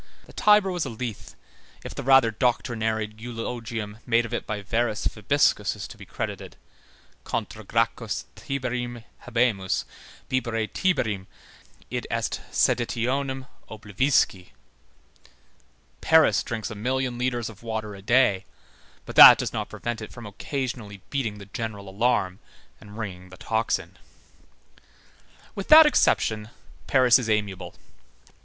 The Tiber was a Lethe, if the rather doctrinary eulogium made of it by Varus Vibiscus is to be credited: Contra Gracchos Tiberim habemus, Bibere Tiberim, id est seditionem oblivisci. Paris drinks a million litres of water a day, but that does not prevent it from occasionally beating the general alarm and ringing the tocsin. With that exception, Paris is amiable.